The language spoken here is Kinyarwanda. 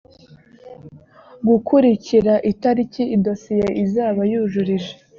gukurikira itariki idosiye isaba yujurije